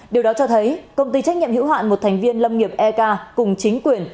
điều đó cho thấy công ty trách nhiệm hữu hạn một thành viên lâm nghiệp ek cùng chính quyền